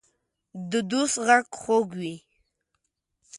د دوست غږ خوږ وي.